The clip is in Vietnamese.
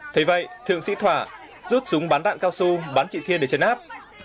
thế vậy tượng sĩ thỏa rút súng bán đạn cao su bán trị thiên để chấn áp